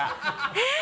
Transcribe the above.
えっ？